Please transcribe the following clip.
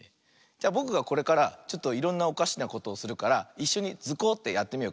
じゃぼくがこれからちょっといろんなおかしなことをするからいっしょに「ズコ！」ってやってみようか。